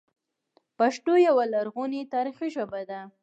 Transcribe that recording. پښتو یوه لرغونې تاریخي ژبه ده